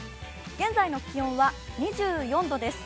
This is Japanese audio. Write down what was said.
現在の気温は２４度です。